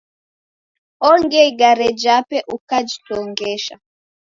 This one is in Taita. Ongia igare jape ukajitong'esha.